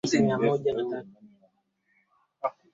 Kisiwa cha Zanzibar ni nyumba ya Freddie Mercury